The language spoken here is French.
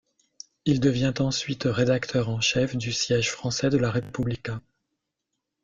Il devient ensuite rédacteur en chef du siège français de La Repubblica.